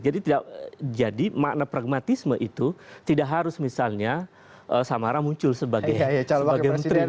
jadi makna pragmatisme itu tidak harus misalnya samara muncul sebagai menteri